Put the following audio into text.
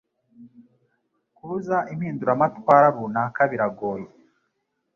Kubuza impinduramatwara runaka biragoye